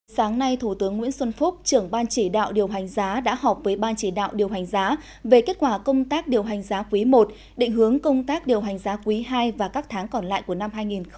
sáng nay thủ tướng nguyễn xuân phúc trưởng ban chỉ đạo điều hành giá đã họp với ban chỉ đạo điều hành giá về kết quả công tác điều hành giá quý i định hướng công tác điều hành giá quý ii và các tháng còn lại của năm hai nghìn hai mươi